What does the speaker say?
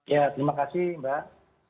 ya terima kasih mbak